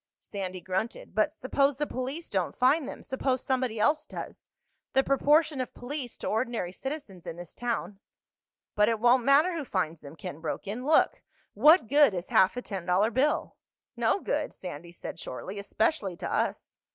Sandy grunted. "But suppose the police don't find them? Suppose somebody else does? The proportion of police to ordinary citizens in this town—" "But it won't matter who finds them," Ken broke in. "Look: what good is half a ten dollar bill?" "No good," Sandy said shortly. "Especially to us."